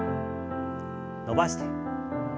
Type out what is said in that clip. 伸ばして。